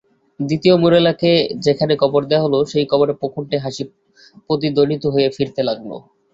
দ্বিতীয় মোরেলাকে যেখানে কবর দেয়া হল সেই কবরের প্রকোণ্ঠে হাসি প্রতিধ্বনিত হয়ে ফিরতে লাগল।